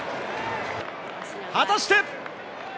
果たして。